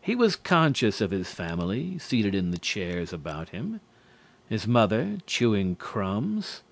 He was conscious of his family seated in chairs about him. His mother, chewing crumbs.